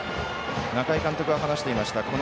中井監督は話していました。